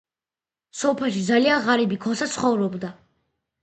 სოფელში ძალიან ღარიბი ქოსა ცხოვრობდა